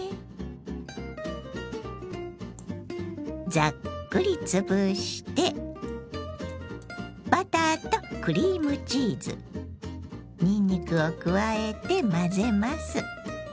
ザックリつぶしてバターとクリームチーズにんにくを加えて混ぜます。